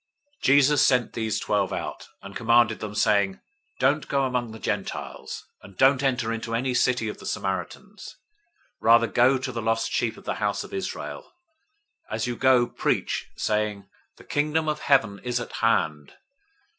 010:005 Jesus sent these twelve out, and charged them, saying, "Don't go among the Gentiles, and don't enter into any city of the Samaritans. 010:006 Rather, go to the lost sheep of the house of Israel. 010:007 As you go, preach, saying, 'The Kingdom of Heaven is at hand!'